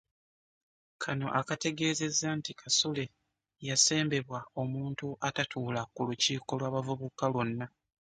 Kano akategeezezza nti Kasule yasembebwa omuntu atatuula ku lukiiko lw'abavubuka lwonna